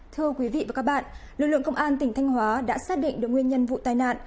thưa quý vị và các bạn lực lượng công an tỉnh thanh hóa đã xác định được nguyên nhân vụ tai nạn